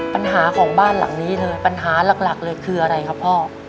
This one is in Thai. ปัญหาของบ้านหลังนี้เธอปัญหาหลักเลยคืออะไรครับพ่อ